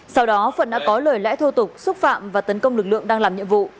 sau đó phượng đã có lời lẽ thô tục xúc phạm và tấn công lực lượng đang làm nhiệm vụ